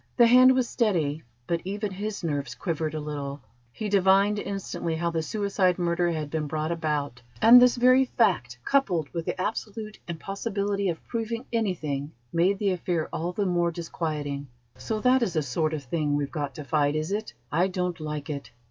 The hand was steady, but even his nerves quivered a little. He divined instantly how the suicide murder had been brought about, and this very fact, coupled with the absolute impossibility of proving anything, made the affair all the more disquieting. "So that is the sort of thing we've got to fight, is it? I don't like it.